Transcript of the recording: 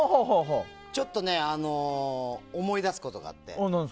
ちょっと思い出すことがあって。